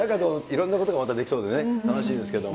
いろんなことがまたできそうでね、楽しみですけど。